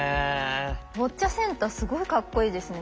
ボッチャセンターすごいかっこいいですね。